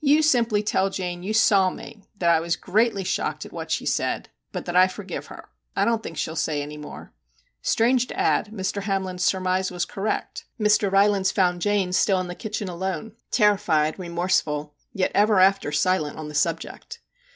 You simply tell Jane you saw me that I was greatly shocked at what she said, but that I forgive her. I don't think she '11 say any more/ Strange to add, Mr. Hamlin's surmise was correct. Mr. Rylands found Jane still in the kitchen alone, terrified, remorseful, yet ever after silent on the subject.